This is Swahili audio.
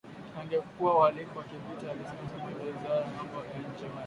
yangekuwa uhalifu wa kivita, alisema msemaji wa wizara ya mambo ya nje Marekani